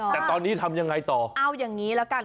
แต่ตอนนี้ทำยังไงต่อเอาอย่างนี้ละกัน